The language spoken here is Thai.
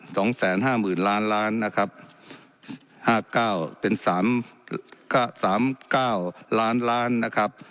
สองแสนห้าหมื่นล้านล้านนะครับห้าเก้าเป็นสามเก้าสามเก้าล้านล้านนะครับ